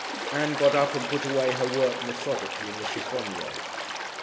Ann got up and put away her work methodically in the cheffonier.